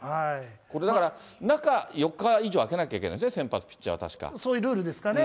これ、だから中４日以上あけなきゃいけないんですね、先発ピッチャーはそういうルールですかね。